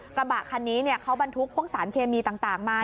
กระบะคันนี้เขาบรรทุกพวกสารเคมีต่างมา